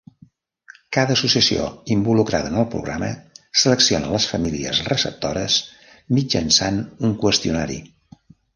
Cada associació involucrada en el programa selecciona les famílies receptores mitjançant un qüestionari.